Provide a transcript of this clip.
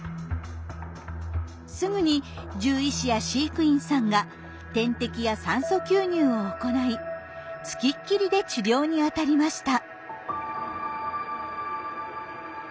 すぐに獣医師や飼育員さんが点滴や酸素吸入を行い付きっきりで治療に当たりました。